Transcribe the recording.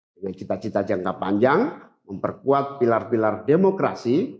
dengan cita cita jangka panjang memperkuat pilar pilar demokrasi